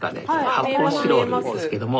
発泡スチロールですけども。